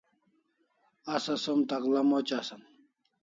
Asa som takl'a moc asan